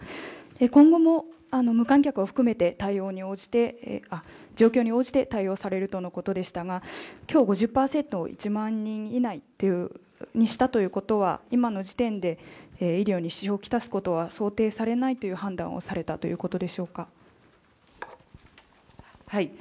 今後も無観客を含めて状況に応じて対応されるとのことでしたが、きょう５０％、１万人以内にしたということは、今の時点で医療に支障を来すことは想定されないという判断をされたということでしょうか。